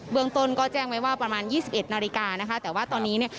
เบื้องต้นก็แจ้งไว้ว่าประมาณ๒๑นาฬิกานะคะแต่ว่าตอนนี้เนี่ย